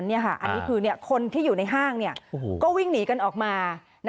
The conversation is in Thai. อันนี้คือคนที่อยู่ในห้างก็วิ่งหนีกันออกมา